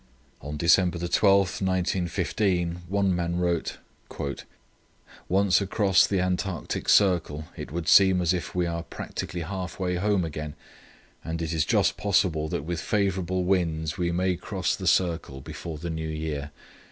On December 12, 1915, one man wrote: "Once across the Antarctic Circle, it will seem as if we are practically halfway home again; and it is just possible that with favourable winds we may cross the circle before the New Year.